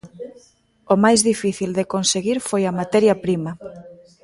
O máis difícil de conseguir foi a materia prima.